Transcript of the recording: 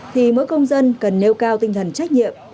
thì mỗi công dân cần nêu cao tinh thần trách nhiệm